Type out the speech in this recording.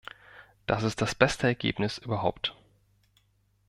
Das ist das beste Ergebnis überhaupt.